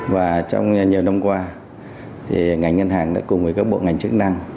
và trong nhiều năm qua thì ngành ngân hàng đã cùng với các bộ ngành chức năng